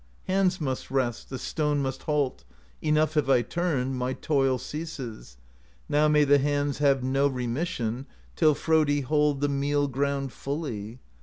' Hands must rest, The stone must halt; Enough have I turned. My toil ceases: Now may the hands Have no remission Till Frodi hold The meal ground fully.